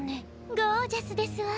ゴージャスですわ。